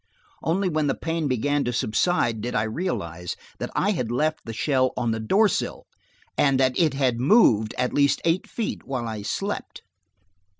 Only when the pain began to subside did I realize that I had left the shell on the door sill, and that it had moved at least eight feet while I slept!